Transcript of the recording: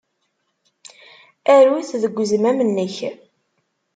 Aru-t deg uzmam-nnek.